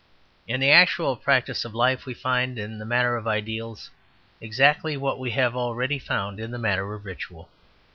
In the actual practice of life we find, in the matter of ideals, exactly what we have already found in the matter of ritual.